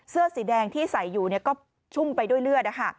เสื้อสีแดงที่ใส่อยู่ก็ชุ่มไปด้วยเลือด